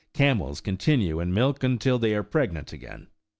21 Camels continue in milk until they are pregnant again.